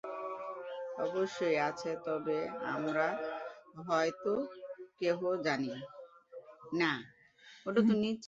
অবশ্যই আছে, তবে আমরা হয়তো কেহ জানি না।